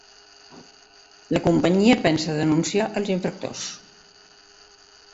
La companyia pensa denunciar als infractors